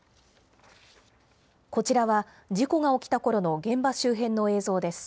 こちらは、事故が起きたころの現場周辺の映像です。